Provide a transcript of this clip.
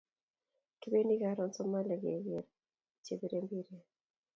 Kipendi karun Somalia keker che bire mpiret